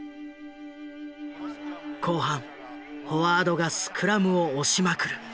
後半フォワードがスクラムを押しまくる。